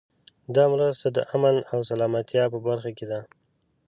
دا مرسته د امن او سلامتیا په برخه کې ده.